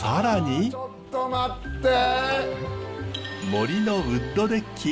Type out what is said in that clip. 森のウッドデッキ。